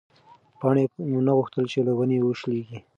پاڼې نه غوښتل چې له ونې وشلېږي.